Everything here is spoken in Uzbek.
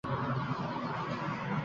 O’rningizga meni chiqarib qo’yib